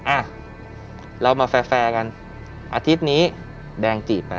อ่ะเรามาแฟร์กันอาทิตย์นี้แดงจีบไป